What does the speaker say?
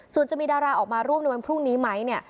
ส่วนจะมีดาราออกมาร่วมในวันพรุ่งนี้ไหมเนี่ย